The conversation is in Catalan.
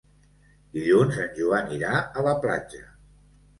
Dilluns en Joan irà a la platja.